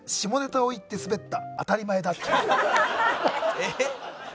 えっ？